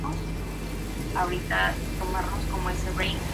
La planta tiene dos sexos: macho y hembra.